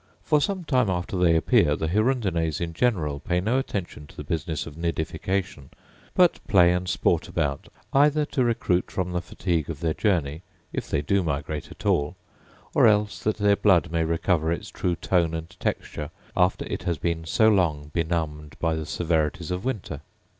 For some time after they appear the hirundines in general pay no attention to the business of nidification, but play and sport about either to recruit from the fatigue of their journey, if they do migrate at all, or else that their blood may recover its true tone and texture after it has been so long benumbed by the severities of winter.